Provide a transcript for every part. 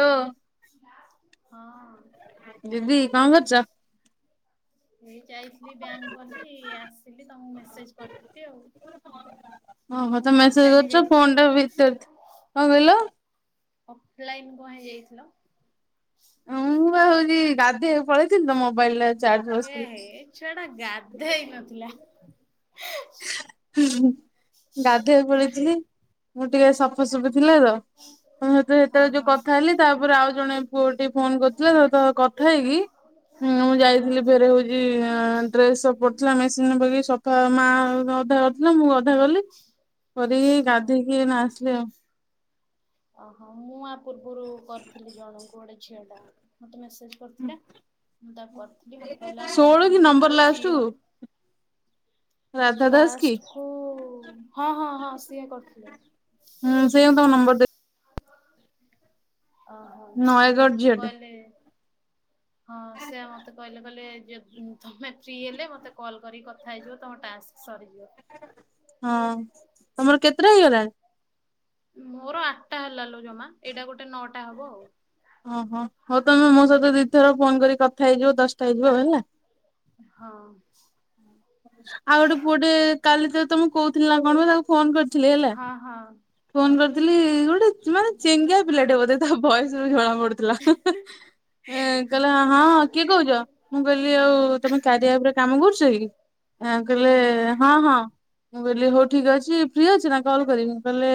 ହଁ [unintelligible] ହଁ ଦିଦି କଣ କରୁଛ? ଏଇ ଯାଇଥିଲି ବ୍ୟାଙ୍କ ଗଲି ଆସିଲି ତମକୁ ମେସେଜ କରିଥିଲି ଆଉ ଓ ହୋ କଣ ତମେ ମେସେଜ ଅଫଲାଇନ କରୁଛ ଯାଇଥିଲ ଫୋନ ଟା ଭିତରେ କଣ କହିଲ ଅଫଲାଇନ୍ କନଂ ହେଇଯାଇଥିଲ ହଁ ବା ହଉଛି ଗାଧୋଇବାକୁ ପଳେଇଥିଲି ତ ମୋବାଇଲ ଟା ଚାର୍ଜ ହେ ବସିଥିଲା। ହେ ଛୁଆଟା ଗାଧେଇ ନଥିଲା ହୁଁ ଗାଧୋଇବା କୁପଳେଇଥିଲି ମୁଁ ଟିକେ ସଫାସୁଫି ଥିଲା ତ ହଁତ ହଁ ସେତେବେଳେ ଯୋଉ ହଁ କଥା ହେଲି ତାପରେ ଆଉ ଜଣେ ପୁଅ ଟିକେ ଫୋନ କରିଥିଲେ ତା ସହିତ କଥା ହେଇକି ମୁଁ ହଁ ଯାଇଥିଲି ଫେରେ ହଉଛି ଡ୍ରେସ ସବୁ ପଡିଥିଲା ମେସିନ ବୈକି ସଫା ମା ଅଧା ଲା ମୁଁ ଗଧା କଲି କରିକିଏଇ ହଉ। ଗାଧେଇକି ନା ଆସିଲି ଆଉ ଓହୋ ମୁଁ ଆ ପୂର୍ବରୁ କରିଥିଲି ଜଣଙ୍କୁ ଗୋଟେ ଝିଅ ଟା ମତେ ମେସେଜ କରିଥିଲା ମୁଁ ତାକୁ କରିଥିଲି ମତେ କହିଲା ହଉ ଷୋହଳ କି ତମେ ନମ୍ବର ଯେତେବେଳେ ଲାଷ୍ଟ ଫ୍ରି କୁ ହବ ରାଧା ଦାସ କି? ଲାଷ୍ଟକୁ ହଁ ହଁ ହଁ ସିଏ କରିଥିଲେ ହୁଁ ସେଇୟା କୁ ତମ ନମ୍ବର ଦେ ଓହୋ ସିଏ ନୟାଗଡ଼ ଝିଅଟେ କହିଲେ ହଁ ସେ ମତେ କହିଲେ କହିଲେ ଯୋଗୁଁ ତମେ ଫ୍ରି ହେଲେ ମତେ କଲ୍ କରିକି କଥା ହେଇଯିବ ତମ ଟାସ୍କ ସରିଯିବ। ହଁ ତମର କେତେଟା ହେଇଗଲାଣି? ମୋର ଆଠଟା ହେଲା ଲ ଜମା ଏଇଟା ଗୋଟେ ନଅଟା ହବ ଆଉ ଓହୋ ହଉ ତମେ ମୋ ସହିତ ଦି ଥର ଫୋନ କରି କଥା ହେଇଯିବ ଦଶଟା ହେଇଯିବ ହେଲା ହଁ ଆଉ ଗୋଟେ ପୁଅଟେ କାଲି ତ ତମେ କହୁଥିଲି ନା କଣ ତାକୁ ଫୋନ କରିଥି ଥିଲେ ଲ ହଁ ହଁ ଫୋନ କରିଥିଲି ଗୋଟେ ଚୁ ମାନେ ଚିଙ୍ଗିଆ ପିଲା ଟେ ବୋଧେ ତା ଭଏସ ରୁ ଜଣା ପଡୁଥିଲା ଏ କହିଲା ହଁ କିଏ କହୁଛ ମୁଁ କହିଲି ଆଉ ତମେ କାରିଆ ଉପରେ କାମ କରୁଛ କି ଆ କହିଲେ ହଁ ହଁ ମୁଁ କହିଲି ହଉ ଠିକ ଅଛି ଫ୍ରି ଅଛି ନା କଲ କରିବି ମୁଁ କହିଲେ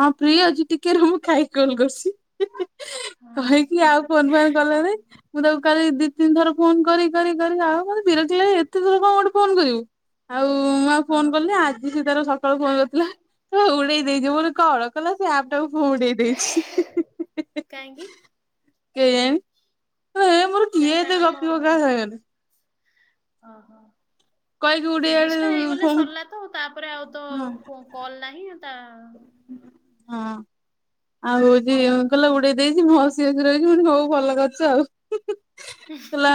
ହଁ ଫ୍ରି ଅଛିି ଟି ଟିକେ ମୁଁ ଖାଇକି କଲ କରୁଛି ହଁ କହିକି ଆଉ। ଫୋନ ଫାନ୍ କଲେଣି ମୁଁ ତାକୁ କାଲି ଦି ତିନିଥର ଫୋନ କରି କରି କରି ଆଉ ମୋତେ ବିରକ୍ତ ଲାଗିଲା ଏତେ ଜୋରେ। ଆଉ ମୁଁ ଆଉ ହଁ ଫୋନ କଲି ହଁ ଆଜି ସେ ତାର ସ କାଳୁ ଫୋନ୍ କରିଥିଲା ତ ଉଡେଇ ଦେଇଯିବୁ ବୋଲି କଣ କଲା ସେ ଆପ ଟାକୁ ମୁଁ ଉଡେଇ ଦେଇଛି କାହିଁକି? କେଜାଣି ଏ ମୋର କାଇଁ କିଏ ଏତେ ତାଙ୍କର କଣ ଗପିବ କାହା ସାଙ୍ଗରେ ଓହୋ କହିକି ଉଡେଇ ଆଡେ ତିରିଶ ଟା ହେଇଗଲେ ଫୋନ୍ ସରିଲା ତ ତାପ ହଁ କଲ ନାହିଁ ତାଆ ହଁ ଆଉ ହଉଛି କହିଲା ଉଡେଇ ଦେଇଛି ମୁଁ ହସି ହସି ରହିଛି ହୋଉ ଭଲ କରିଛ ଆଉ କୋ ଲା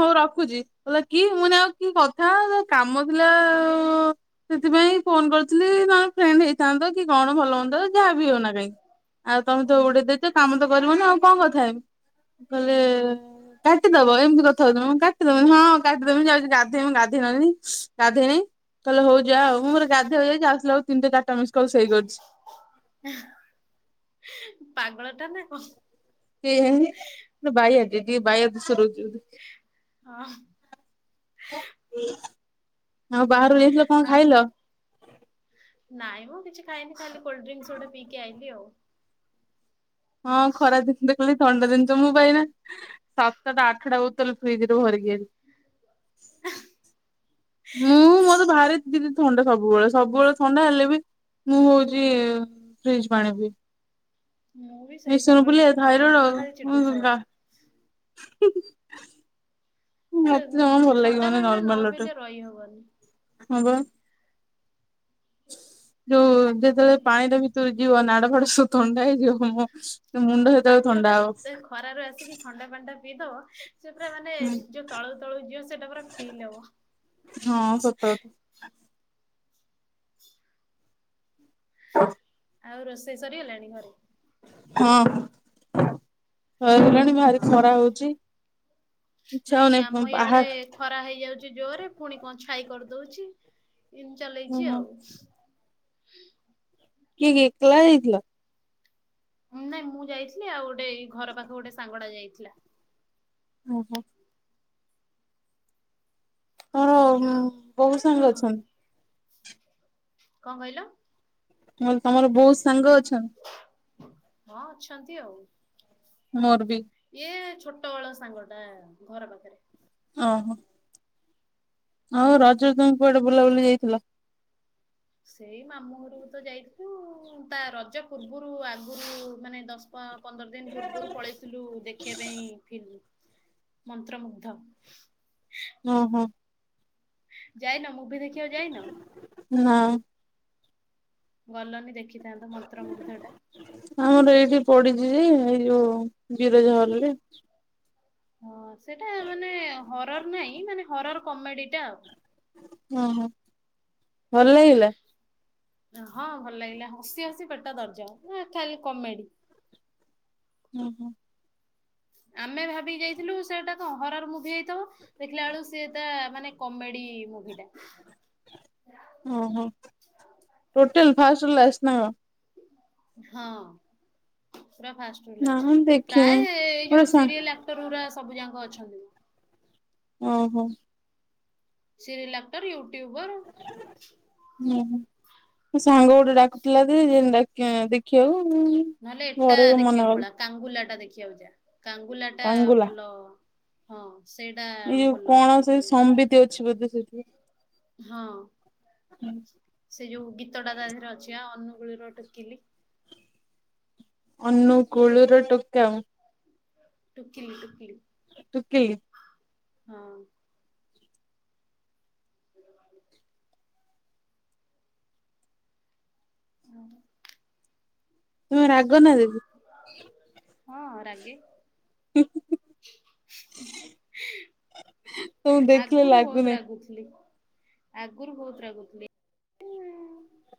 ହଉ ରଖୁଛି କଲା କି ମୁଁ କହିନି ଆଉ କି କଥା କାମ ଥିଲା ଆଉ ସେଥିପାଇଁ ଫୋନ କରିଥିଲି ତମର ଫ୍ରେଣ୍ଡ ହେଇଥାନ୍ତ କି କଣ ଭଲ ହୁଅନ୍ତା ଯାହା ବି ହଉନା ଆଉ ତମେ ତ ହୁଁ ଉଡେଇ ଦେଇଛ କାମ ତ କରିବନି ଆଉ କଣ କଥା ହେବି କହିଲେ କାଟିଦବ ଏମିତି କଥା ହଉଛି କାଟିଦବନି ହଁ କାଟିଦବି ଯାଉଛି ଗାଧେଇବି ଗାଧୋଇ ନ ଥିଲି ଗାଧେଇନି। କହିଲେ ହୋଉ ଯା ଆଉ ମୁଁ ମୋର ଗାଧେଇବାକୁ ଯାଇଚି ଆସିଲା ବେଳକୁ ତିନି ଚାରିଟା ମିସକଲ୍ ସେଇ କରିଛି। ପାଗଳ ଟା ନା କଣ? ସେ ବାଇଟେ ଟିକେ ବାୟା ଦୋଷ ରହୁଛି। ହଁ। ଆଉ ବାହାଘର କୁ ଯାଇଥିଲ କଣ ଆଉ ଖାଇଲ? ନାଇଁ ମ କିଛି ଖାଇନି ଖାଲି କୋଲ୍ଡରୀଙ୍କିସ୍ ଗୋଟ ପିକି ଆଇଲି ଆଉ। ହଁ ଖରା ଜିନିଷ ଦେଖିଲି ଥଣ୍ଡା ଜିନିଷ ମୁଁ ଏନା ସାତଟାଟା ଆଠଟା ବୋଟଲ ଫ୍ରିଜିରୁ ରୁ ଭରିକି [inaudible] ମୁଁ ମୋର ଭାରି ଦିଦି ଥଣ୍ଡା ସବୁବେଳେ ସବୁବେଳେ ଥଣ୍ଡା ହେଲେ ବି ମୁଁ ହଉଛି ଫ୍ରିଜ ପାଣି ପିଏ। ମୁଁ ବି ସେଇ ମିଶନ ସବୁବେଳେ ଫୁଲିଆ ଫ୍ରିଜୀପାଣି ମାମା ଖାଲି ଚିଡୁଥିବ। ଥାଇରଏଡ ମତେ ଜମା ଭଲ ଥଣ୍ଡା ଲାଗିବନି ପାଣି ଟା ନ ନର୍ମାଲ ପିଇଲେ ରହିହବନି। ୱାଟର ହଁ ପା। [inaudible] ଯୋଉ ଯେତେବେଳେ ପାଣିରେ ଭିତରକୁ ଯିବ ନାଡ ଫାଡ ସବୁ ଥଣ୍ଡା ହେଇଯିବ ମୋ ହଁ ମୁଣ୍ଡ ସେତବେଳୁ ପାଣିଟା ଥଣ୍ଡା ପୁରା ହବ। ଖରାରୁ ଆସିକି ଥଣ୍ଡା ପାଣିଟା ପି ଦେବ। ସିଏ ପୁରା ମାନେ ଯୋଉ ତଳୁକୁ ତଳୁକୁ ଯିବ ସେଟା ପୁରା ଫିଲ୍ ହବ।। ହଁ ସତ କଥା। [inaudible] ଆଉ ରୋଷେଇ ସରିଗଲାଣି ଘରେ? ହଁ। ସରିଗଲାଣି ଭାରି ହଁ ହଁ ଖରା ହଉଛି ଇଚ୍ଛା ନାଇଁ ଆମ ହଉନି ବାହା ଇଆଡେ ଖରା ହେଇଯାଉଛି ଜୋରେ ପୁଣି କଣ ଛାଇ କରିଦଉଛି ଏତି ଚାଲେଇଛି ଓହୋ ଆଉ। କିଏ କିଏ ଏକଲା ଯାଇ ଥିଲ? ନାଇଁ ମୁଁ ଯାଇଥିଲି ଆଉ ଗୋଟେ ଏଇ ଘର ପାଖ ଗୋଟେ ସାଙ୍ଗଟା ଯାଇଥିଲା। ହଁ ହଁ। ତମର ବୋହୁତ ସାଙ୍ଗ ଅଛନ୍ତି। କଣ କହିଲ? ମୁଁ କହିଲି ତମର ବହୁତ ସାଙ୍ଗ ଅଛନ୍ତି। ହଁ ଅଛନ୍ତି ଆଉ। ମୋରବି। ଇଏ ଛୋଟ ବେଳ ସାଙ୍ଗ ଟା ଘର ପାଖରେ। ଓହୋ। ହଉ ରଜକୁ ତମେ କୁଆଡେ ବୁଲାବୁଲି ଯାଇଥିଲ? ସେଇ ମାମୁଁ ଘରକୁ ତ ଯାଇଥିଲୁ ତା ରଜ ପୂର୍ବରୁ ଆଗରୁ ମାନେ ଦଶ ପନ୍ଦର ଦିନ ପୂର୍ବରୁ ପଳେଇଥିଲୁ ଦେଖିବା ପାଇଁ ଫିଲ୍ମ। ମନ୍ତ୍ରମୁଗ୍ଧ। ଓ ହଁ। ଯାଇନ ମୁଁଭି ଦେଖିବାକୁ ଯାଇନ? ନାଁ। ଗଲନି ଦେଖିଥାନ୍ତ ମନ୍ତ୍ରମୁୁଗ୍ଧ ଟା। ଆମର ଏଇଠି ପଡିଛି ଯେ ଏଇ ଯୋଉ ବିରଜା ହଲରେ। ହଁ ସେଟା ମାନେ ହରର ନାଇଁ ମାନେ ହରର କମେଡି ଟା ଆଉ। ଓ ହୋ ଭଲ ଲାଗିଲା? ହଁ ଭଲ ଲାଗିଲା ହସି ହସି ପେଟ ଦରଜ ନା ଖାଲି କମେଡି। ଉଁ ହୁଁ। ଆମେ ଭାବିକି ଯାଇଥିଲୁ ସେଟାଟା କଣ ହରର ମୁଭି ହେଇଥିବ ଦେଖିଲା ବେଳୁ ସିଏ ତା ମାନେ କମେଡି ମୁଭି ଟା। ଓହୋ ଟୋଟାଲ ଫାଷ୍ଟ ରୁ ଲାଷ୍ଟ ନା କଣ? ହଁ ପୁରା ନା ମୁଁ ଫାଷ୍ଟ। ଦେଖିନି। ପ୍ରାୟ ଏଇ ଗୋଟେ ଯୋଉ ସା ସିରିଏଲ ଆକ୍ଟର ସବୁ ଯାକ ଅଛନ୍ତି ମ। ଓହୋ। Serial actor YouTuber. ହୁଁ। ସାଙ୍ଗ ଗୋଟେ ଡାକୁଥିଲା ଯେ ଦେଖି ଦେଖିବାକୁ ନହେଲେ ଏଟା ଘରେ ମନା ଦେଖିବାକୁ କଲେ ପଳା କାଙ୍ଗୁଲା ଟା ଦେଖିବାକୁ ଯା। କାଙ୍ଗୁଲା ଟା କାଙ୍ଗୁଲା ଭଲ ହଁ ସେଇଟା ଇଏ ଭଲ କଣ ସେ ହେଇଥିବ ସମ୍ବତି ଅଛି ବୋଧେ ସେଇଠି। ହଁ। [inaudible] ସେ ଯୋଉ ଗୀତଟା ତା ଦେହରେ ଅଛି ଆ ଅନୁଗୁଳ ର ଟୋକିଲି। ଅନୁଗୁଳ ର ଟୋକା ମୁଁ ଟୁକିଲି ଟୁକିଲି। ଟୁକିଲି? ହଁ। [inaudible] ତୁମେ ରାଗ ନା ଦିଦି? ହଁ ରାଗେ। ହୁଁ ହୁଁ ହୁଁ। ଆଗରୁ ବହୁତ ଲାଗୁନି ରାଗୁଥିଲି। ଆଗରୁ ବହୁତ ରାଗୁଥିଲି।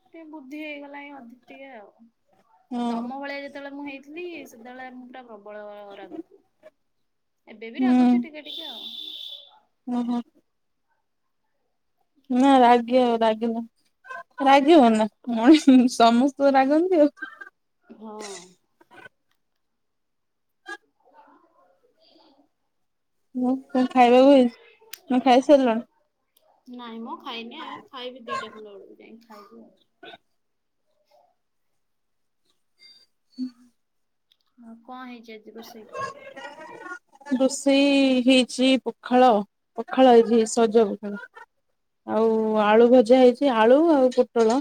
ଟିକେ ବୁଦ୍ଧି ହେଇଗଲାଣିି ଅଧିକ ଟିକେ ଆଉ। ହଁ ତମ ଭଳିଆ ଯେତେବେଳେ ମୁଁ ହେଇ ଥିଲି ସେତେବେଳେ ମୁ ତ ପୁରା ପ୍ରବଳ ରାଗୁଥିଲି। ଏବେ ବି ରାଗୁଚି ଟିକେ ଟିକେ ଆଉ। ହୁଁ ହୁଁ। ନା ରାଗି ଆଉ ରାଗ ନା ରାଗିବୁ ନାଁ ମଣିଷ ସମ ସ୍ତେ ରାଗନ୍ତି ଆଉ। ହଁ। [inaudible] ଉ କଣ ଖାଇବାକୁ ହେଇଚି? ତମେ ଖାଇସାରିଲଣି? ନାଇଁ ମ ଖାଇନି ଆଉ ଖାଇବି ଦିଟା ଖଣ୍ଡେ ବେଳକୁ ଯାଇ ଖାଇବି ଆଉ। [inaudible] [inaudible] ହଁ କଣ ହେଇଚି ଆଜି ରୋଷେଇ? ରୋଷେଇ ହେଇଚି ପଖାଳ, ପଖାଳ ଆଜି ହେଇଚି। ସଜ ପଖାଳ ହୁଁ ଆଉ ହୁଁ ଆଳୁ ଭଜା ହେଇଚି ଆଳୁ ଆଉ ପୋଟଳ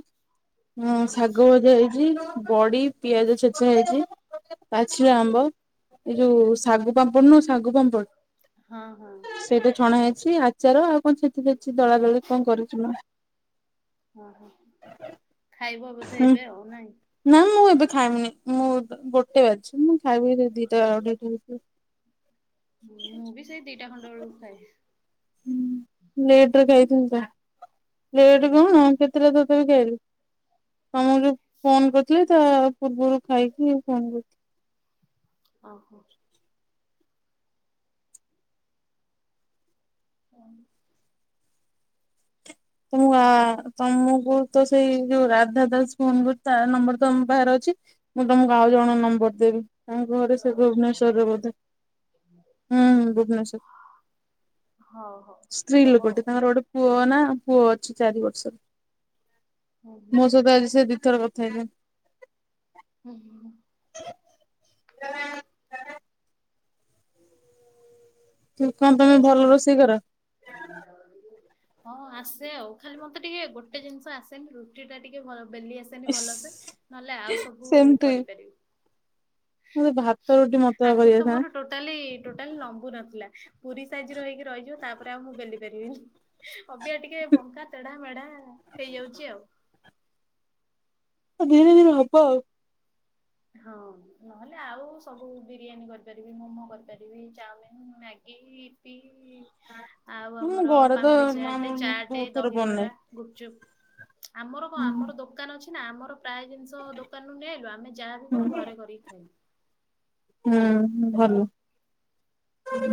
ଉଁ ହୁଁ ଶାଗ ଭଜା ହେଇଚି ବଡି ପିଆଜ ଛେଚା ହେଇଚି ପାଚିଲା ହୁଁ ଆମ୍ବ ଏଇ ଯୋଉ ଶାଗୁ ପାମ୍ପଡ ନୁହଁ ଶାଗୁ ହଁ ହଁ। ପାମ୍ପଡ ସେଇଟ ଛଣା ହେଇଚି ଆଚାର ଆଉ କଣ ଛେଚି ଛେଚି ଦଳା ଦଳି କଣ କରୁଚି ମା। ଓହୋ। ଖାଇବ ବୋଧେ ହୁଁ ଏବେ ଆଉ ନାଇଁ? ନା ମୁଁ ଏବେ ଖାଇମିନି ମୁଁ ଗୋଟେ ବାଜିଚି ମୁଁ ଖାଇବି କେତେ ଦିଟା ଅଢେଇଟା ହେଇଯିବ। ହଁ ମୁଁ ବି ସେଇ ଦିଟା ଖଣ୍ଡେ ବେଳକୁ ଖାଏ। ହୁଁ ଲେଟ ରେ ଖାଇିଥିଲ ତ ଲେଟ ହଁ କଣ କେ [unintelligible] ଫୋନ କରିଥିଲେ ତା ପୂର୍ବରୁ ଖାଇକି ଫୋନ କରିଥିଲି। ଓହୋ। ହଁ। ତମ ଆ ତମକୁ ତ ସେଇ ଯୋଉ ରାଧା ଦାସ ଫୋନ ତା ନମ୍ବର ତ ତମ ପାଖରେ ଅଛି। ମୁଁ ତମକୁ ଆଉ ଜଣଙ୍କ ନମ୍ବର ଦେବି। ତାଙ୍କ ଘର ସେ ଭୁବନେସ୍ୱରରେ ବୋଧେ ହୁଁ ଭୁବନେଶ୍ଵର। ହଉ ହଉ ସ୍ତ୍ରୀ ଦବ ଲୋକଟେ ତାଙ୍କର ଗୋଟେ ପୁଅ ନା ପୁଅ ଅଛି ଚାରି ବର୍ଷର। ଆଉ ହୁଁ ମୋ ସହିତ ଆଜି ସେ ଦି ଥର କଥା ହେଇଛନ୍ତି। [unintelligible] [unintelligible] କଣ ତମେ ଆଉ ଭଲ ରୋଷେଇ କର। [unintelligible] ହଁ ଆସେ ଆଉ। ଖାଲି ମତେ ଟିକେ ଗୋଟେ ଜିନିଷ ଆସେନି ରୁଟି ଟା ଟିକେ ଭ ବେଲି ଆସେ ଆସେନି ଇସ୍ ଭଲସେ। ନହେଲେ ଆଉ ସବୁ ସେମ ଟୁ କରିପାରିବି। ମତେ ଭାତ ରୁଟି ମତେ ବା ଆଗରୁ ତ କରିଆସେନା। ମୋର ଟୋଟାଲି ଟୋଟାଲି ଲମ୍ବୁ ନଥିଲା। ପୁରୀ ସାଇଜ ର ହେଇକି ରହିଯିବ ତାପରେ ଆଉ ମୁଁ ବେଲି ପାରିବିନି। ଅବିକା ଟିକେ ବଙ୍କା ତେଢା ମେଢା ହେଇଯାଉଚି ଆଉ। ଧୀରେ ଧୀରେ ହବ ଆଉ। ହଁ। ନହେଲେ ଆଉ ସବୁ ବିରିୟାନୀ କରିପାରିବି ମୋମୋ କରିପାରିବି ଚାଉମିିନ, ମ୍ୟାଗି ଆଉ ମୁଁ ଆମର ଘରେ ତ ପାମ୍ପୁଡି ମା ଚାଟେ ମୁଁ ଚାଟେ ବହୁତ ଥର ଦହିବରା। ବନାଏ ଗୁପଚୁପ୍, ଆମର କଣ ଆମର ଦୋକାନ ଅଛି ନା ଆମର ପ୍ରାୟ ଜିନିଷ ଦୋକାନରୁୁ ନେଇଆଇଲୁ ଆମେ ଯାହା ବି ହୁଁ କରୁ ଘରେ କରିକି ଖାଇବୁ। ହୁଁ ଭଲ।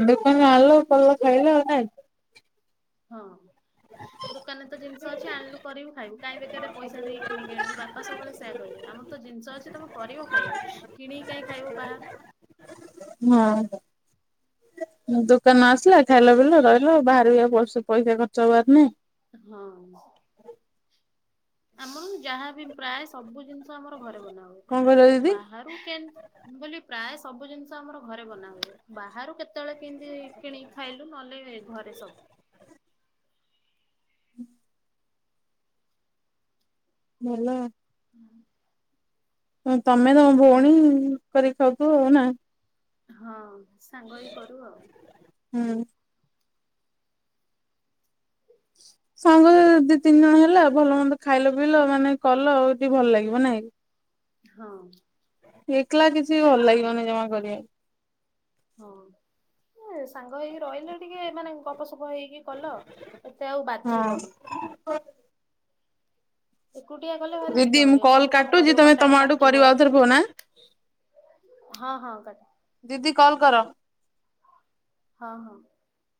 ଦେକାନ ରୁ ଆଣିଲ କଲ ଖାଇଲ ଆଉ। [unintelligible] ହଁ। ଦୋକାନରେ ତ ଜିନିଷ ଅଛି ଆଣିଲୁ କରିବୁ ଖାଇବୁ। କାଇଁ ବେକାରରେ ପଇସା ଦେଇକି କିଣିକି ଆଣିବୁ। ବାପା ସବୁବେଳେ ସେଇଆ କହିବେ। ଆମ ତ ଜିନିଷ ଅଛି ତମେ କରିବ ଖାଇବ। କିଣିକି କାହିଁକି ଖାଇବ ବାହାରୁ। ହଁ। ଦୋକାନରୁ ଆସିଲା ଖାଇଲ ପିଇଲ ରହିଲ। ବାହାର ରେ ବି ଆଉ ପଇସା ଖର୍ଚ୍ଚ ହବାର ନାହିଁ। ହଁ। ଆମର ଯାହାବି ପ୍ରାୟ ସବୁ ଜିନିଷ ଆମର ଘରେ ବନା କଣ କହିଲ ହୁଏ। ଦିଦି? ବାହାରୁ କେମ୍ ମୁଁ କହିଲି ପ୍ରାୟ ସବୁ ଜିନିଷ ଆମର ଘରେ ବନା ହୁଏ। ବାହାରୁ କେତେବେଳେ କେନ୍ତି କିଣିକି ଖାଇଲୁ ନହେଲେ ଘରେ ସବୁ। ଭଲ। ହୁଁ ତମେ ତମ ଭଉଣୀ କରିକି ଖାଉଥୁବ ଆଉ ନା। ହଁ ସାଙ୍ଗ ହେଇକି କରୁ ଆଉ। ହୁଁ। ସାଙ୍ଗ ଦି ତିନି ଜଣ ହେଲା ଭଲ ମନ୍ଦ ଖାଇଲ ପିଇଲ ମାନେ କଲ ହଉଚି ଭଲ ଲାଗିବ ନାଇଁ। ହଁ। ଏକଲା କିଛି ଭଲ ଲାଗିବନି ଜମା କରିବାକୁ। ହଁ। ଏ ସାଙ୍ଗ ହେଇକି ରହିଲେ ଟିକେ ମାନେ ଗପ ସପ ହେଇକି କଲ ଏତେ ଆଉ ହଁ। ବାଧିବନି। ଏକୁଟିଆ କଲେ ଭାରି ଦିଦି ଚିଡ ମୁଁ ମାଡ଼ିବ। କଲ୍ ସବୁ କାମ କାଟୁଛି କରିବ ତମେ କଟା ତମ ଆଡୁ କରିବ କାଟିବ ଆଉଥରେ ଫୋନ ଆଁ ହଁ ହଁ। [unintelligible] ଦିଦି କଲ୍ କର। ହଁ ହଁ।